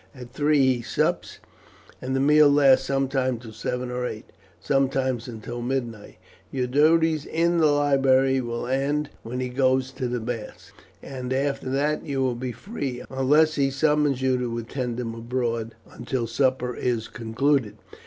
At three he sups, and the meal lasts sometimes till seven or eight, sometimes until midnight. Your duties in the library will end when he goes to the baths, and after that you will be free, unless he summons you to attend him abroad, until supper is concluded.